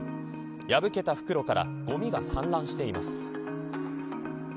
破けた袋からごみが散乱しています。